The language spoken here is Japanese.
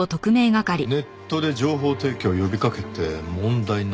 ネットで情報提供を呼びかけて問題になった人？